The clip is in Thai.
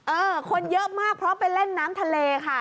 คนเยอะมากเพราะไปเล่นน้ำทะเลค่ะ